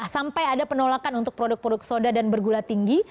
sampai ada penolakan untuk produk produk soda dan bergula tinggi